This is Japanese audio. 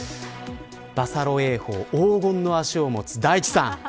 バサロ泳法黄金の足を持つ大地さん